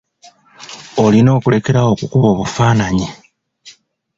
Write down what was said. Olina okulekera awo okukuba obufaananyi.